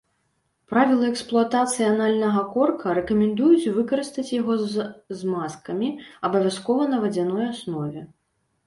Правілы эксплуатацыі анальнага корка рэкамендуюць выкарыстаць яго з змазкамі, абавязкова на вадзяной аснове.